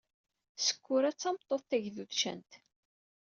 Sekkura d tameṭṭut tagdudcant.